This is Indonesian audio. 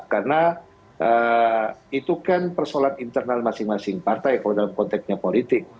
karena itu kan persolat internal masing masing partai kalau dalam konteksnya politik